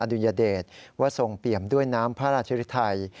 ดุยเดชว่าทรงเปี่ยมด้วยน้ำพระราชริไทย